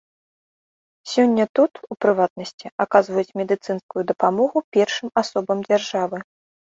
Сёння тут, у прыватнасці, аказваюць медыцынскую дапамогу першым асобам дзяржавы.